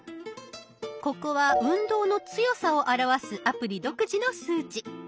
ここは運動の強さを表すアプリ独自の数値。